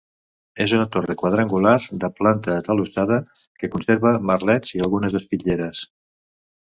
És una torre quadrangular de planta atalussada, que conserva merlets i algunes espitlleres.